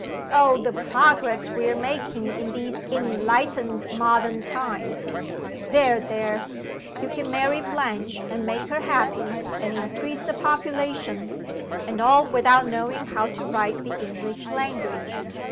Oh, the progress we are making in these enlightened modern times! There! there! you can marry Blanche, and make her happy, and increase the population and all without knowing how to write the English language.